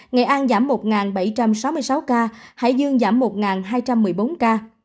nghệ an giảm một bảy trăm sáu mươi sáu ca hải dương giảm một hai trăm một mươi bốn ca